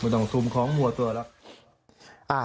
ตรงทุมของหัวตัวล่ะ